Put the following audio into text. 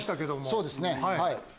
そうですね。